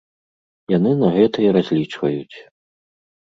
Яны на гэта і разлічваюць.